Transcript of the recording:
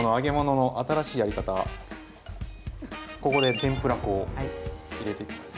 ここで天ぷら粉を入れていきます。